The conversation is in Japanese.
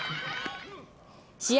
試合